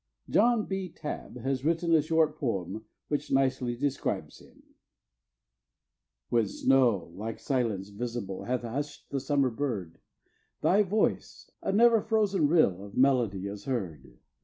John B. Tabb has written a short poem, which nicely describes him: When snow, like silence visible, Hath hushed the summer bird, Thy voice, a never frozen rill Of melody, is heard.